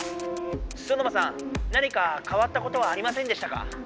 ソノマさん何かかわったことはありませんでしたか？